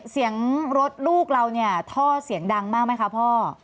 เสียงรถลูกเราเนี่ยท่อเสียงดังมากไหมคะพ่อ